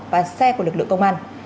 và xe của lực lượng công an